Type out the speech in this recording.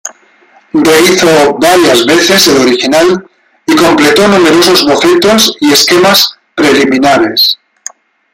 Rehízo varias veces el original y completó numerosos bocetos y esquemas preliminares.